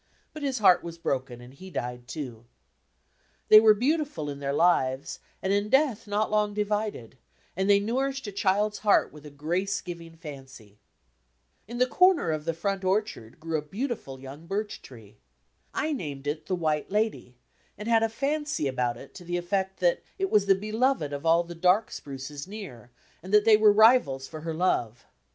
But his heart was broken and he died too. They were beaudfiil in their lives and in death not long divided; and they nourished a child's heart with a grace giving fancy. In a comer of the front orchard grew a beautiful young birch tree. I named it "The White Lady," and had a fancy about it to the effea that it was the beloved of all the dark spruces near, and that they were rivals for her love.